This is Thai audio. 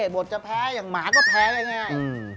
บทจะแพ้อย่างหมาก็แพ้ได้ง่าย